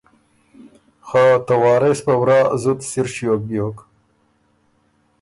خه ته وارث په ورا زُت سِر ݭیوک بیوک